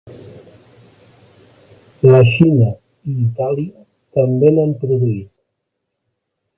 La Xina i Itàlia també n'han produït.